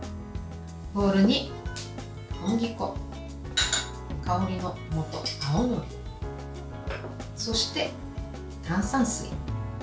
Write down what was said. ボウルに小麦粉香りのもと、青のりそして、炭酸水。